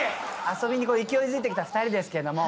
遊びに勢いづいてきた２人ですけども。